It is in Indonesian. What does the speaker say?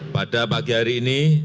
pada pagi hari ini